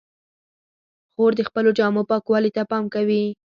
خور د خپلو جامو پاکوالي ته پام کوي.